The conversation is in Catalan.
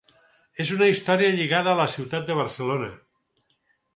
És una història lligada a la ciutat de Barcelona.